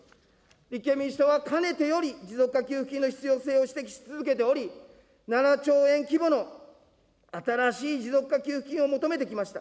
立憲民主党はかねてより持続化給付金の必要性を指摘し続けてきており、７兆円規模の新しい持続化給付金を求めてきました。